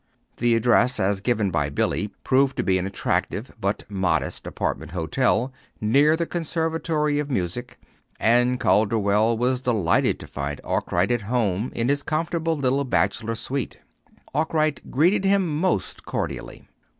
The address, as given by Billy, proved to be an attractive but modest apartment hotel near the Conservatory of Music; and Calderwell was delighted to find Arkwright at home in his comfortable little bachelor suite. Arkwright greeted him most cordially.